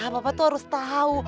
papa tuh harus tau